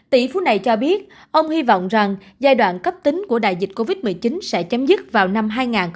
tỷ phú này cho biết ông hy vọng rằng giai đoạn cấp tính của đại dịch covid một mươi chín sẽ chấm dứt vào năm hai nghìn hai mươi